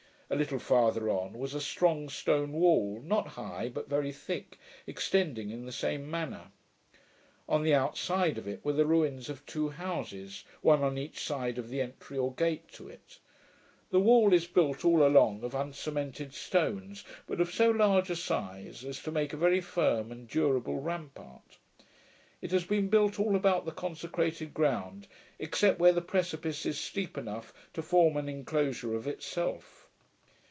A little farther on, was a strong stone wall, not high, but very thick, extending in the same manner. On the outside of it were the ruins of two houses, one on each side of the entry or gate to it. The wall is built all along of uncemented stones, but of so large a size as to make a very firm and durable rampart. It has been built all about the consecrated ground, except where the precipice is deep enough to form an enclosure of itself.